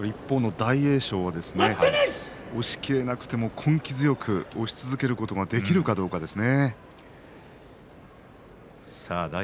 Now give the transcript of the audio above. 大栄翔は押しきれなくても根気強く押し続けることができるかどうかですね。